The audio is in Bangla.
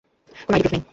কোনো আইডি প্রুফ নেই।